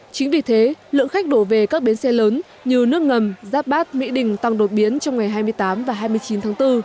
chính vì thế lượng khách đổ về các bến xe lớn như nước ngầm giáp bát mỹ đình tăng đột biến trong ngày hai mươi tám và hai mươi chín tháng bốn